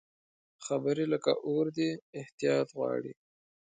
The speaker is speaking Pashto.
خبرې لکه اور دي، احتیاط غواړي